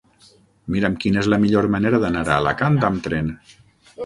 Mira'm quina és la millor manera d'anar a Alacant amb tren.